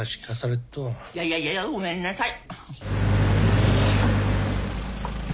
ややややごめんなさい。